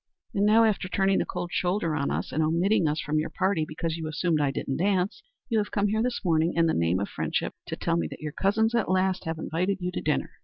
And now, after turning the cold shoulder on us, and omitting us from your party, because you assumed I didn't dance, you have come here this morning, in the name of friendship, to tell me that your cousins, at last, have invited you to dinner.